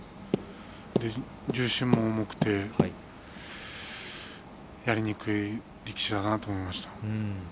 重心も重くてやりにくい力士だなと思いました。